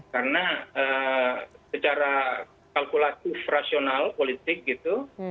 karena secara kalkulatif rasional politik gitu